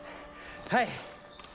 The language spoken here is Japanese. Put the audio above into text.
はい。